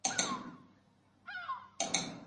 协助口头承租农地之耕作者